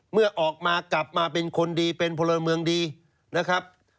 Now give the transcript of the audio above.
เมื่อออกมากลับมาเป็นคนดีเป็นพลเมืองดีนะครับ